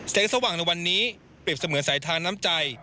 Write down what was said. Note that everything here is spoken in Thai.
สว่างในวันนี้เปรียบเสมือนสายทานน้ำใจ